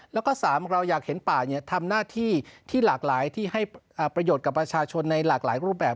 แล้วก็๓เราอยากเห็นป่าทำหน้าที่ที่หลากหลายที่ให้ประโยชน์กับประชาชนในหลากหลายรูปแบบ